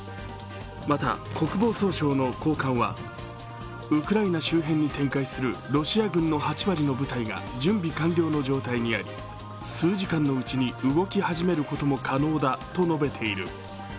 また、国防総省の高官はウクライナ周辺に展開するロシア軍の８割の部隊が準備完了の状態にあり数時間のうちに動き始めることも可能だと述べている。